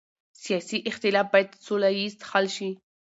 سیاسي اختلاف باید سوله ییز حل شي